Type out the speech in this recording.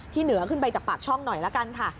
เหนือขึ้นไปจากปากช่องหน่อยละกันค่ะ